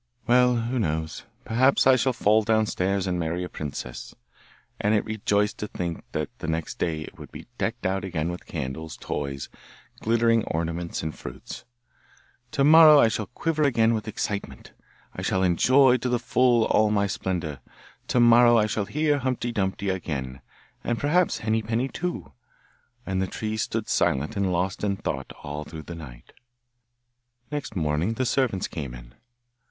'Well, who knows? Perhaps I shall fall downstairs and marry a princess.' And it rejoiced to think that next day it would be decked out again with candles, toys, glittering ornaments, and fruits. 'To morrow I shall quiver again with excitement. I shall enjoy to the full all my splendour. To morrow I shall hear Humpty Dumpty again, and perhaps Henny Penny too.' And the tree stood silent and lost in thought all through the night. Next morning the servants came in.